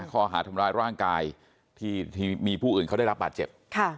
ข้อหาทำร้ายร่างกายที่มีผู้อื่นเขาได้รับบาดเจ็บ